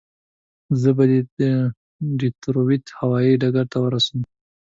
زه به دې ډیترویت هوایي ډګر ته ورسوم.